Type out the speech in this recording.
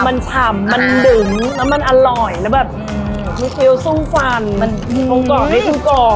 มันชำมันดึงแล้วมันอร่อยแล้วแบบอืมมีความสู้ฟันมันมีตรงกรอบให้ตรงกรอบ